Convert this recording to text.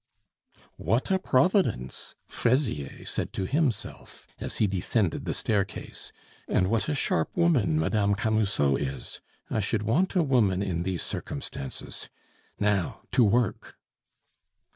"What a providence!" Fraisier said to himself as he descended the staircase; "and what a sharp woman Mme. Camusot is! I should want a woman in these circumstances. Now to work!"